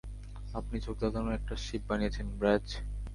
আপনি চোখধাঁধানো একটা শিপ বানিয়েছেন, ব্র্যায!